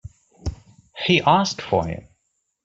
He asked for him.